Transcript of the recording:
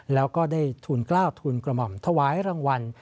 แล้วก็ได้ธุรกราบธุรกรมอมทวายรางวัล